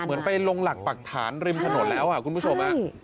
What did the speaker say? เหมือนไปลงหลักปรักฐานริมถนนแล้วคุณผู้ชม